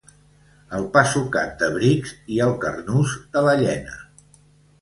El pa sucat de Brics i el carnús de la Llena.